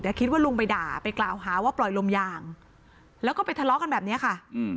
คิดว่าลุงไปด่าไปกล่าวหาว่าปล่อยลมยางแล้วก็ไปทะเลาะกันแบบนี้ค่ะ